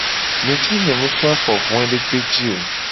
Nye ca nye mu so afo voedekpe ji o.